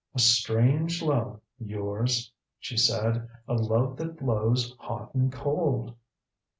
"A strange love yours," she said. "A love that blows hot and cold."